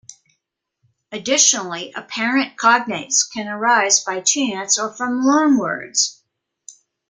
Additionally, apparent cognates can arise by chance or from loan words.